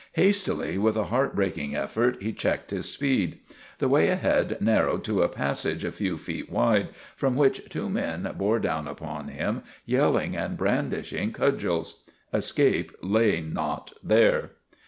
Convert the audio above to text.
Hastily, with a heart breaking effort, he checked his speed. The way ahead narrowed to a passage a few feet wide, from which two men bore down upon him, yelling and brandishing cudgels. Escape lay not there.